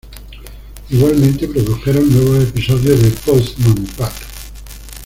Igualmente produjeron nuevos episodios de "Postman Pat".